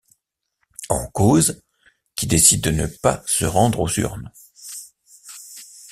En cause, qui décident de ne pas se rendre aux urnes.